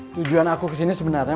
tujuan aku kesini sebenarnya